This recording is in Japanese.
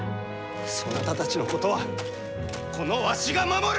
そなたたちのことはこのわしが守る！